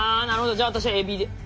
じゃあ私はエビで。